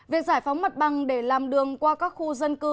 việc giải phóng mặt bằng để làm đường qua các khu dân cư